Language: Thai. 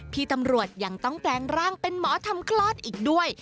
พี่ตำรวจยังต้องแปลงร่างเป็นหมอทำคลอดอีกด้วย